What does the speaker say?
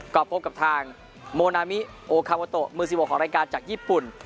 ก็พบกับทางโมนามิโอคาโมโตมือ๑๖ของรายการจากญี่ปุ่น